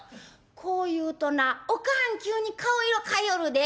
こう言うとなお母はん急に顔色変えよるで。